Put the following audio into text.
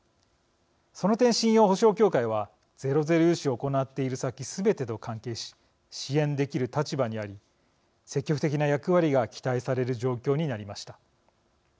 その点信用保証協会はゼロゼロ融資を行っている先すべてと関係し支援できる立場にあり積極的な役割が期待される状況になりました。